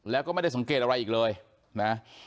แล้วก็ไม่ได้สังเกตอะไรอีกเลยนะ